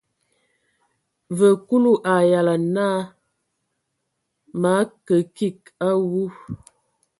Vǝ Kulu a yalan naa: Mǝ akə kig a awu.